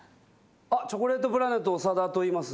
チョコレートプラネット長田といいます。